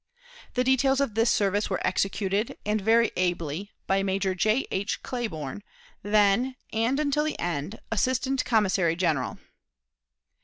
The details of this service were executed, and very ably, by Major J. H. Claiborne, then, and until the end, assistant commissary general."